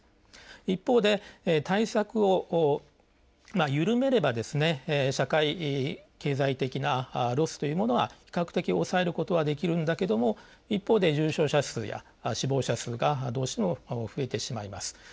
一方で対策を緩めれば社会経済的なロスは比較的抑えることはできるんだけれども一方で重症者数や死亡者数がどうしても増えてしまいます。